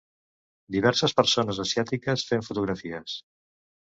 Diverses persones asiàtiques fent fotografies.